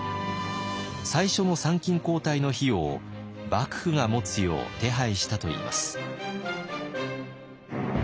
最初の参勤交代の費用を幕府が持つよう手配したといいます。